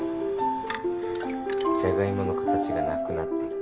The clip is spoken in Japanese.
ジャガイモの形がなくなってる。